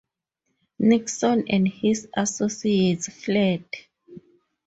Nixon and his associates fled.